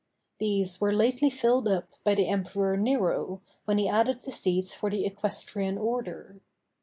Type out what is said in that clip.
These were lately filled up by the Emperor Nero, when he added the seats for the equestrian order.